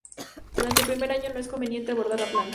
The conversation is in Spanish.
Durante el primer año no es conveniente abonar la planta.